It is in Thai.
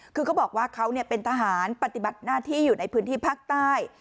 คือเขาบอกว่าเขาเป็นทหารปฏิบัติหน้าที่อยู่ในพื้นที่ภาคใต้